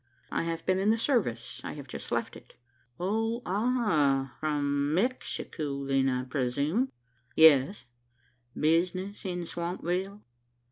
"I have been in the service. I have just left it." "Oh ah! From Mexico, then, I prezoom?" "Yes." "Business in Swampville?"